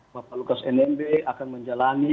bapak lukas nmb akan menjalani